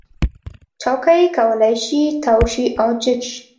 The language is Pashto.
چوکۍ کولی شي تاو شي او جګ شي.